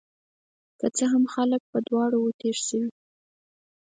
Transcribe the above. که څه هم، خلک په دواړو وو تیر شوي